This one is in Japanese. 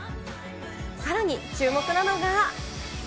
さらに、注目なのが。